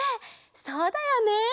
そうだよね！